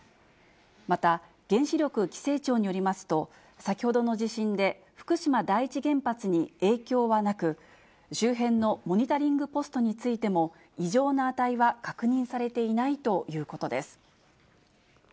また、原子力規制庁によりますと、先ほどの地震で福島第一原発に影響はなく、周辺のモニタリングポストについても、異常な値は確認されていないということです。